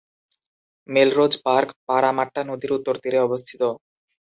Melrose Park Parramatta নদীর উত্তর তীরে অবস্থিত।